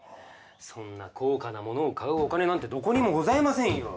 そんな高価な物を買うお金なんてどこにもございませんよ。